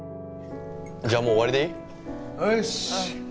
じゃあもう終わりでいい？よし！